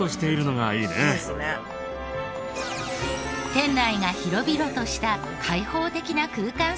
店内が広々とした開放的な空間設計。